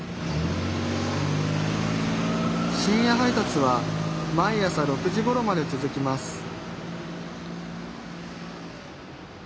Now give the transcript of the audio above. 深夜配達は毎朝６時ごろまで続きます